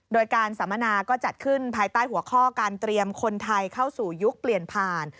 โดยการสัมมนาก็จัดขึ้นภายใต้หัวข้อการเตรียมคนไทยเข้าสู่ยุคเปลี่ยนผ่าน